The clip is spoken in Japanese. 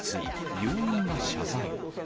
病院が謝罪。